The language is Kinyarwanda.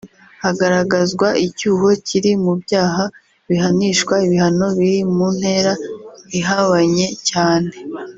hagaragazwa icyuho kiri mu byaha bihanishwa ibihano biri mu ntera ihabanye cyane